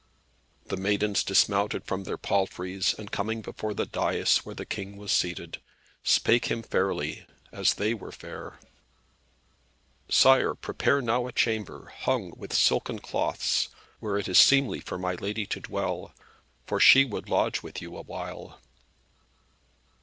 The maidens dismounted from their palfreys, and coming before the dais where the King was seated, spake him fairly, as they were fair. "Sire, prepare now a chamber, hung with silken cloths, where it is seemly for my lady to dwell; for she would lodge with you awhile."